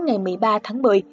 ngày một mươi ba tháng một mươi